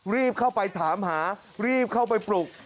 รีบเข้าไปถามหารีบเข้าไปปลุก